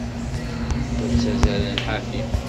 La ttazzalen ḥafi.